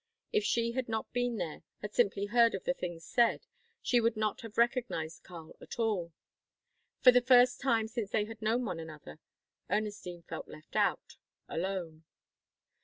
If she had not been there, had simply heard of the things said, she would not have recognised Karl at all. For the first time since they had known one another, Ernestine felt left out, alone.